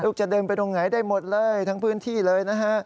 จะเดินไปตรงไหนได้หมดเลยทั้งพื้นที่เลยนะฮะ